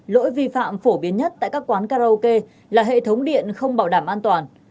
lỗi vi phạm phổ biến nhất tại các quán karaoke là hệ thống điện không bảo đảm an toàn